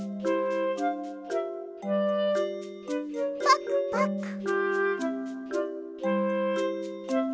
パクパク！